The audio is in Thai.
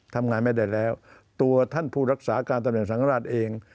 ทำงานไม่ได้แล้วตัวท่านผู้รักษาการตำแหน่งสังฆราชเอง